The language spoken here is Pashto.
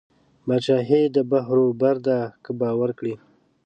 بادشاهي د بحر وبر ده که باور کړې